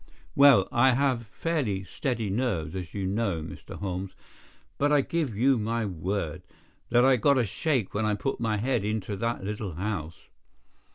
"Well, I have fairly steady nerves, as you know, Mr. Holmes, but I give you my word, that I got a shake when I put my head into that little house.